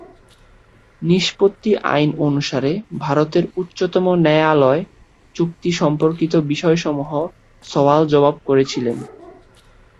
নিষ্পত্তি আইন অনুসারে ভারতের উচ্চতম ন্যায়ালয় চুক্তি সম্পর্কিত বিষয়সমূহ সওয়াল-জবাব করেছিলেন।